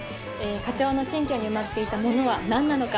課長の新居に埋まっていたものは何なのか？